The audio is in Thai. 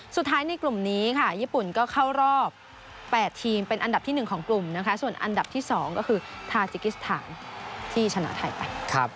ในกลุ่มนี้ค่ะญี่ปุ่นก็เข้ารอบ๘ทีมเป็นอันดับที่๑ของกลุ่มนะคะส่วนอันดับที่๒ก็คือทาจิกิสถานที่ชนะไทยไป